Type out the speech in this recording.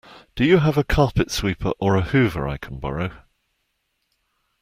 Do you have a carpet sweeper or a Hoover I can borrow?